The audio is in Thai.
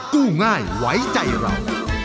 กู้ง่ายไว้ใจเรา